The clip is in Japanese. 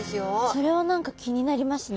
それは何か気になりますね。